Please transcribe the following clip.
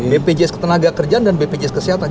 bpjs ketenagakerjaan dan bpjs kesehatan